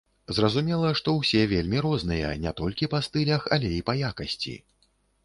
Зразумела, што ўсе вельмі розныя не толькі па стылях, але і па якасці.